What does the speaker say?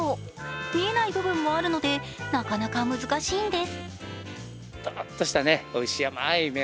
見えない部分もあるので、なかなか難しいんです。